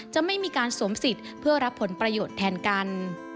จะไม่มีการสวมสิทธิ์เพื่อรับผลประโยชน์แทนกัน